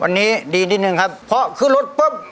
วันนี้ดีนิดนึงครับเพราะขึ้นรถปุ๊บ